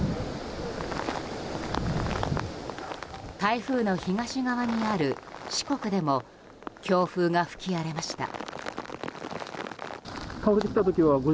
台風の東側にある四国でも強風が吹き荒れました。